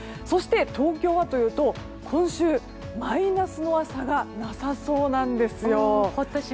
そして、東京はというと今週、マイナスの朝がなさそうなんです。